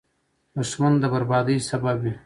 دښمن د بربادۍ سبب وي